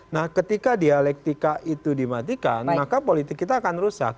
nah ketika dialektika itu dimatikan maka politik kita akan rusak